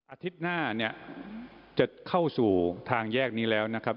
อาทิตย์หน้าเนี่ยจะเข้าสู่ทางแยกนี้แล้วนะครับ